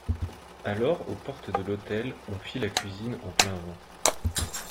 Alors, aux portes de l'hôtel, on fit la cuisine en plein vent.